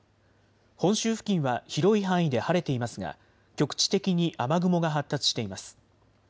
本州付近は広い範囲で晴れていますが局地的に雨雲が発達しています。